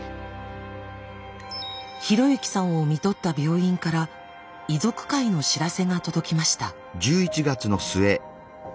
啓之さんを看取った病院から遺族会の知らせが届きました。